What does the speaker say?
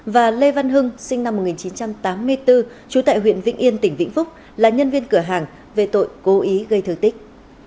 và lê văn hưng sinh năm một nghìn chín trăm tám mươi bốn trú tại huyện vĩnh yên tỉnh vĩnh phúc là nhân viên cửa hàng về tội cố ý gây thương tích